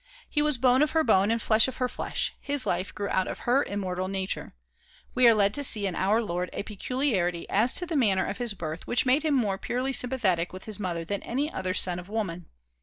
He was bone of her bone and flesh of her flesh his life grew out of her immortal nature. We are led to see in our Lord a peculiarity as to the manner of his birth which made him more purely sympathetic with his mother than any other son of woman.